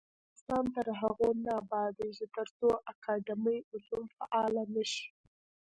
افغانستان تر هغو نه ابادیږي، ترڅو اکاډمي علوم فعاله نشي.